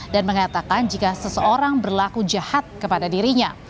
mengatakan jika seseorang berlaku jahat kepada dirinya